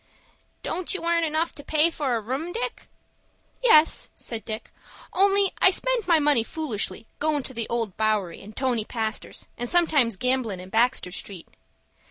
"Don't you earn enough to pay for a room, Dick?" "Yes," said Dick; "only I spend my money foolish, goin' to the Old Bowery, and Tony Pastor's, and sometimes gamblin' in Baxter Street."